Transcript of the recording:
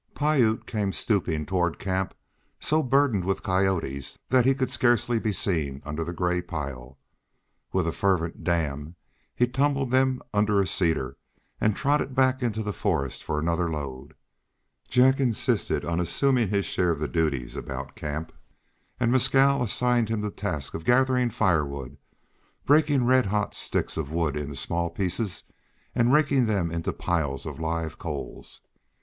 Piute came stooping toward camp so burdened with coyotes that he could scarcely be seen under the gray pile. With a fervent "damn" he tumbled them under a cedar, and trotted back into the forest for another load. Jack insisted on assuming his share of the duties about camp; and Mescal assigned him to the task of gathering firewood, breaking red hot sticks of wood into small pieces, and raking them into piles of live coals.